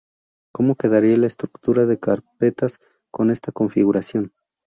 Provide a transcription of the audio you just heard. como quedaría la estructura de carpetas con esta configuración